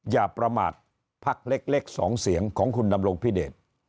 อย่าประมาทพักเล็ก๒เสียงของคุณดำรงพิเดช